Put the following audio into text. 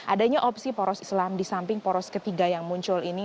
adanya opsi poros islam di samping poros ketiga yang muncul ini